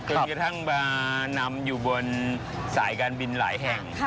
จนกระทั่งมานำอยู่บนสายการบินหลายแห่ง